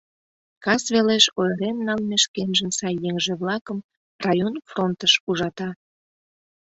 Кас велеш ойырен налме шкенжын сай еҥже-влакым район фронтыш ужата.